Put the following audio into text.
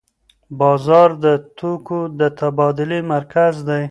بازار د توکو د تبادلې مرکز دی.